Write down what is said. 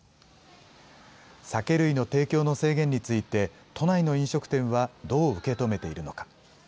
酒類の提供の制限について、都内の飲食店はどう受け止めているのか。